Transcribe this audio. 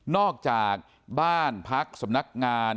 อกจากบ้านพักสำนักงาน